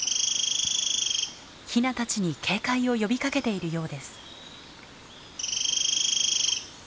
ヒナたちに警戒を呼びかけているようです。